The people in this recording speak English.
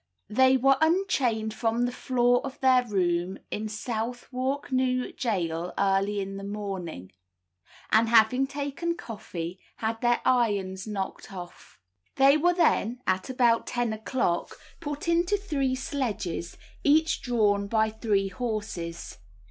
They were unchained from the floor of their room in Southwark new gaol early in the morning, and having taken coffee, had their irons knocked off. They were then, at about ten o'clock, put into three sledges, each drawn by three horses.